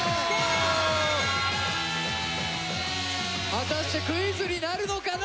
果たしてクイズになるのかな！